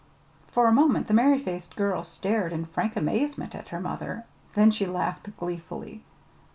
For a moment the merry faced girl stared in frank amazement at her mother; then she laughed gleefully.